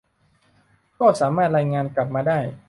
ก็สามารถรายงานกลับมาได้